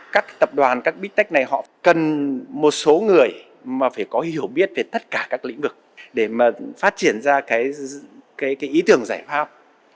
các tập đoàn các bít tách này họ cần một số người mà phải có hiểu biết về tất cả các lĩnh vực để mà phát triển ra cái ý tưởng giải pháp